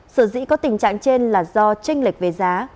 sở dĩ có tình trạng trên là do tranh lệch về giá